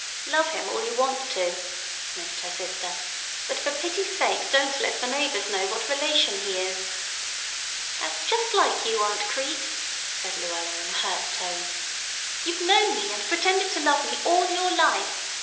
"Love him all you want to," sniffed her sister, "but for pity's sake don't let the neighbors know what relation he is." "That's just like you, Aunt Crete," said Luella in a hurt tone. "You've known me and pretended to love me all your life.